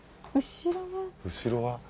後ろは。